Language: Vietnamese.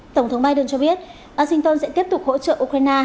tổng thống biden cho biết washington sẽ tiếp tục hỗ trợ ukraine